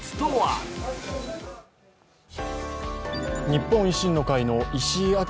日本維新の会の石井章